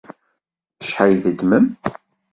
Acḥal teddmem?